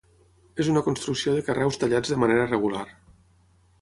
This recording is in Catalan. És una construcció de carreus tallats de manera regular.